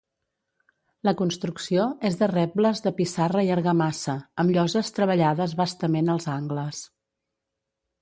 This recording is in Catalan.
La construcció és de rebles de pissarra i argamassa, amb lloses treballades bastament als angles.